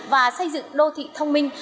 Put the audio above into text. và xây dựng đô thị thông minh